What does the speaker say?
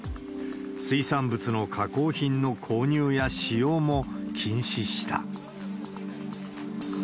水産物の加工品の購入や使用も禁止した。